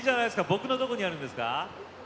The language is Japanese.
僕のどこにあるんですか？